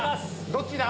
どっちだ？